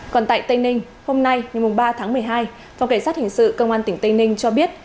còn tại tây ninh hôm nay ngày ba tháng một mươi hai phòng cảnh sát hình sự công an tỉnh tây ninh cho biết